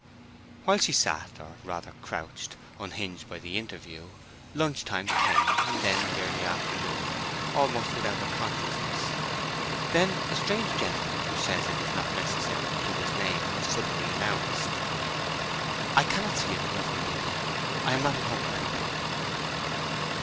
While she sat, or rather crouched, unhinged by the interview, lunch time came, and then the early afternoon, almost without her consciousness. Then "a strange gentleman who says it is not necessary to give his name," was suddenly announced. "I cannot see him, whoever he may be. I am not at home to anybody."